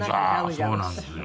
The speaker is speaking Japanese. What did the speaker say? そうなんですよ。